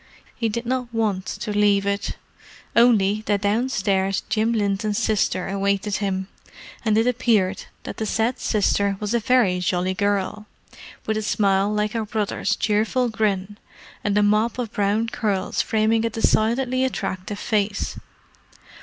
He did not want to leave it—only that downstairs Jim Linton's sister awaited him, and it appeared that the said sister was a very jolly girl, with a smile like her brother's cheerful grin, and a mop of brown curls framing a decidedly attractive face.